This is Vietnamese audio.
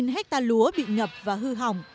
một mươi hectare lúa bị ngập và hư hỏng